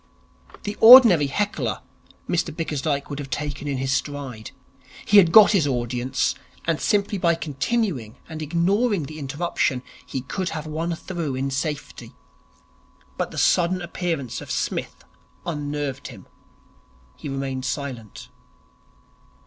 The ordinary heckler Mr Bickersdyke would have taken in his stride. He had got his audience, and simply by continuing and ignoring the interruption, he could have won through in safety. But the sudden appearance of Psmith unnerved him. He remained silent.